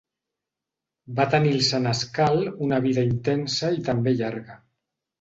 Va tenir el senescal una vida intensa i també llarga.